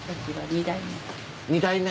２代目？